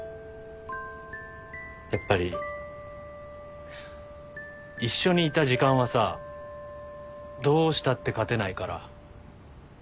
やっぱり一緒にいた時間はさどうしたって勝てないから。